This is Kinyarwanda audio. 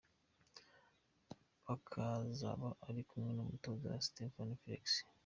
Bakazaba bari kumwe n’umutoza Sempoma Felix.